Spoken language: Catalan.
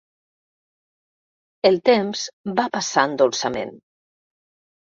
El temps va passant dolçament.